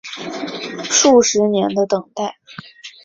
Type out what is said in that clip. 数十年的等待